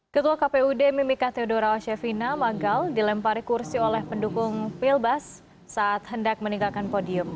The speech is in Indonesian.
ketua kpud mimika theodora oshevina magal dilempari kursi oleh pendukung pilbas saat hendak meninggalkan podium